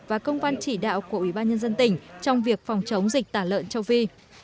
và công văn chỉ đạo của ủy ban nhân dân tỉnh trong việc phòng chống dịch tả lợn châu phi